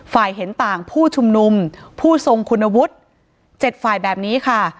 เห็นต่างผู้ชุมนุมผู้ทรงคุณวุฒิ๗ฝ่ายแบบนี้ค่ะ